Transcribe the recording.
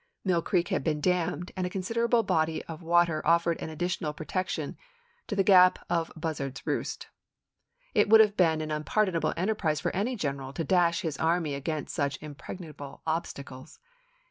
Mill Creek had been dammed, and a considerable body of water offered an additional protection to the gap of Buzzard's Roost. It would have been an unpar donable enterprise for any general to dash his army against such impregnable obstacles.